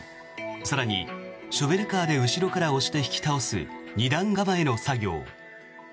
更に、ショベルカーで後ろから押して引き倒す２段構えの作業。